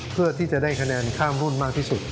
เพื่อที่จะได้คะแนนข้ามรุ่นมากที่สุด